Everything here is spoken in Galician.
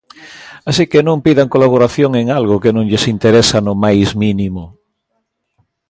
Así que non pidan colaboración en algo que non lles interesa no máis mínimo.